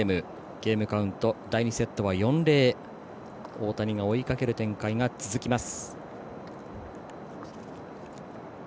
ゲームカウント第２セットは４−０大谷が追いかける展開が続きます。